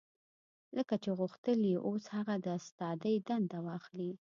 لکه چې غوښتل يې اوس هغه د استادۍ دنده واخلي.